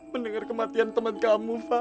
mendengar kematian temen kamu fah